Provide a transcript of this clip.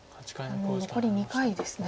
もう残り２回ですね。